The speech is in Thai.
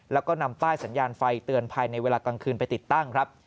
แล้วก็นำป้ายสัญญาณไฟเตือนภายในเวลากลางคืนไปติดตั้งครับ